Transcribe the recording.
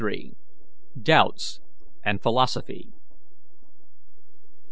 DOUBTS AND PHILOSOPHY.